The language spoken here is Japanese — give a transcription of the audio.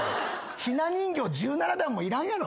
ひな人形１７段もいらんやろ。